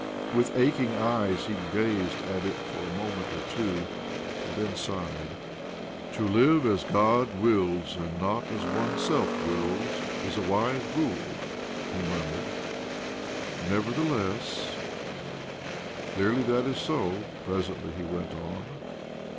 With aching eyes he gazed at it for a moment or two, and then sighed. " To live as God wills, and not as oneself wills, is a wise rule," he munriured. " Nevertheless "" Clearly that is so," presently he went on.